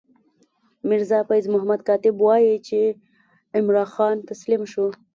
میرزا فیض محمد کاتب وايي چې عمرا خان تسلیم شو.